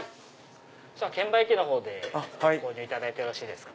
券売機のほうでご購入いただいてよろしいですか。